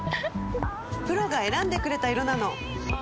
プロが選んでくれた色なの！